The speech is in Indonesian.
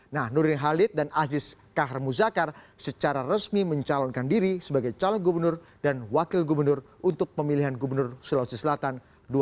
nah nurdin halid dan aziz kahar muzakar secara resmi mencalonkan diri sebagai calon gubernur dan wakil gubernur untuk pemilihan gubernur sulawesi selatan dua ribu sembilan belas